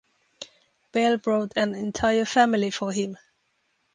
Bell wrote an entire family for him.